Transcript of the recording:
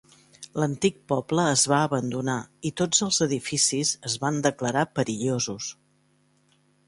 L'antic poble es va abandonar i tots els edificis es van declarar perillosos.